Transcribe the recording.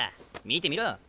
見てみろ。